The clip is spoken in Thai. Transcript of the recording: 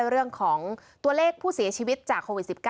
เรื่องของตัวเลขผู้เสียชีวิตจากโควิด๑๙